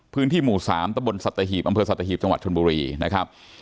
พื้นที่หมู่๓ตะบนสัตหีบอำเภอสัตหีบจังหวัดชนบุรีนะครับ